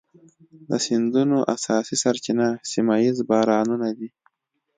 د سیندونو اساسي سرچینه سیمه ایز بارانونه دي.